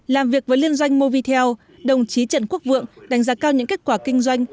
làm việc với liên doanh movitel đồng chí trần quốc vượng đánh giá cao những kết quả kinh doanh